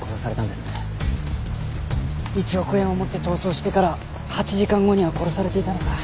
１億円を持って逃走してから８時間後には殺されていたのか。